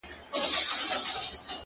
د بشريت له روحه وباسه ته ـ